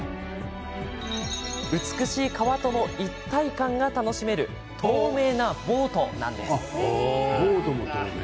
美しい川との一体感が楽しめる透明なボートなんです。